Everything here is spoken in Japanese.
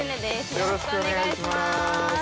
よろしくお願いします。